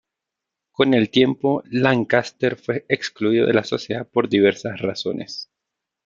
Con el tiempo, Lancaster fue excluido de la sociedad por diversas razones.